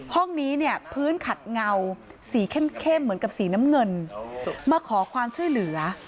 ห้องนี้เนี่ยพื้นขัดเงาสีเข้มเหมือนกับสีน้ำเงินมาขอความช่วยเหลือ